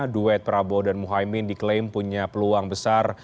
duet prabowo dan muhaymin diklaim punya peluang besar